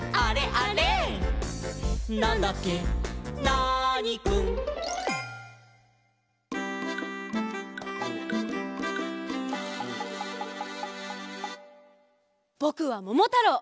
ナーニくん」ぼくはももたろう！